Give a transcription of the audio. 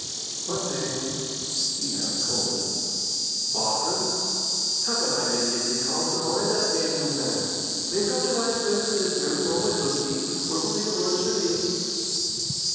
"What name?" he asked coldly. "Barton. Happen I may give thee cause to mind that name, yoong man. Mak' oop t' wife's medicine this very moment, look ye, or it will be the worse for thee."